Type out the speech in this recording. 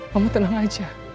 mama tenang aja